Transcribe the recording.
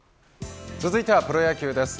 続いてはプロ野球です。